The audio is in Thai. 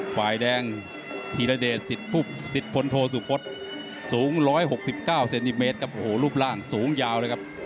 ฝ่ายแดงธีระเดชสิทธิ์ฝนโทสุพศสูง๑๖๙เซนติเมตรรูปร่างสูงยาว